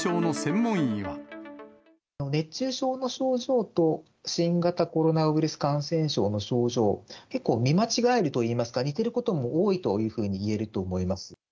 熱中症の症状と、新型コロナウイルス感染症の症状、結構見間違えるといいますか、似てることも多いというふうにいえると思います。